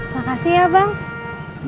makasih ya bang